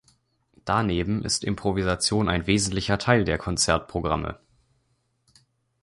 Daneben ist Improvisation ein wesentlicher Teil der Konzertprogramme.